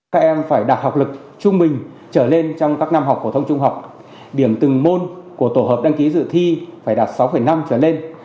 các em phải đạt học lực trung bình trở lên trong các năm học phổ thông trung học điểm từng môn của tổ hợp đăng ký dự thi phải đạt sáu năm trở lên